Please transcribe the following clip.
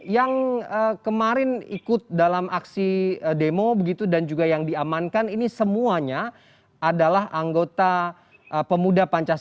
yang kemarin ikut dalam aksi demo begitu dan juga yang diamankan ini semuanya adalah anggota pemuda pancasila